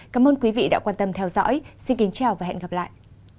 cảm ơn quý vị đã quan tâm theo dõi xin kính chào và hẹn gặp lại